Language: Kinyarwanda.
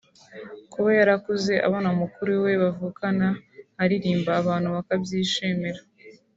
Kuba yarakuze abona mukuru we bavukana aririmba abantu bakabyishimira